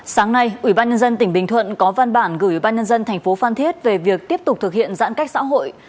sáng nay ubnd tỉnh bình thuận có văn bản gửi ubnd tp phan thiết về việc tiếp tục thực hiện giãn cách xã hội